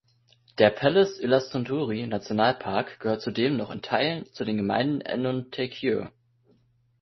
Der Pallas-Yllästunturi-Nationalpark gehört zudem noch in Teilen zu den Gemeinden Enontekiö.